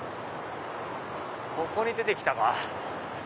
ここに出て来たか。